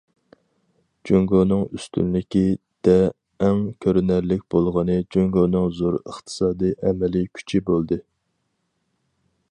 جۇڭگونىڭ ئۈستۈنلۈكى دە ئەڭ كۆرۈنەرلىك بولغىنى جۇڭگونىڭ زور ئىقتىسادىي ئەمەلىي كۈچى بولدى.